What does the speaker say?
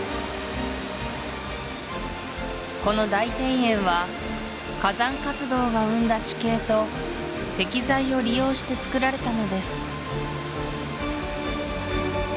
この大庭園は火山活動が生んだ地形と石材を利用してつくられたのです